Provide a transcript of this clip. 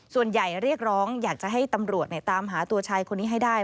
เรียกร้องอยากจะให้ตำรวจตามหาตัวชายคนนี้ให้ได้